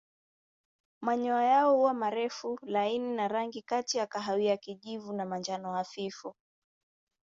Manyoya yao huwa marefu laini na rangi kati ya kahawia kijivu na manjano hafifu.